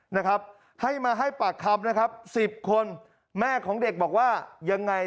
นะครับให้มาให้ปากคำนะครับสิบคนแม่ของเด็กบอกว่ายังไง